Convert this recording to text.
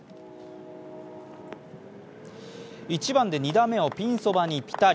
１番で２打目をピンそばにぴたり。